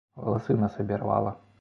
Валасы на сабе рвала.